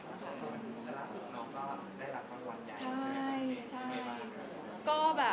เป็นความง่ายน้อยแล้วอร่อยไหม